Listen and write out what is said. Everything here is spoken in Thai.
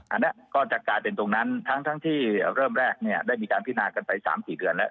อันนี้ก็จะกลายเป็นตรงนั้นทั้งที่เริ่มแรกเนี่ยได้มีการพินากันไป๓๔เดือนแล้ว